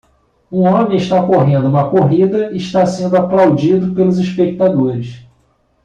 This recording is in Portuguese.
O homem está correndo uma corrida está sendo aplaudido pelos espectadores.